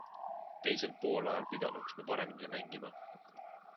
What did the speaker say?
Teisel poolajal pidanuks me paremini mängima.